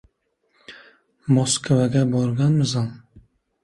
— Maskovga borganmisan?